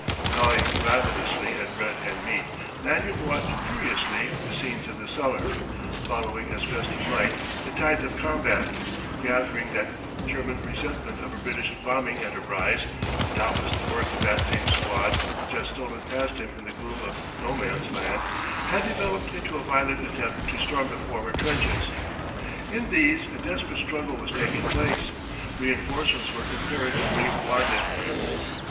Gnawing ravenously at bread and meat, Lanyard watched curiously the scenes in the cellar, following, as best he might, the tides of combat; gathering that German resentment of a British bombing enterprise (doubtless the work of that same squad which had stolen past him in the gloom of No Man's Land) had developed into a violent attempt to storm the forward trenches. In these a desperate struggle was taking place. Reinforcements were imperatively wanted.